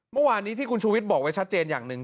เมื่อวานนี้ที่คุณชูวิทย์บอกไว้ชัดเจนอย่างหนึ่ง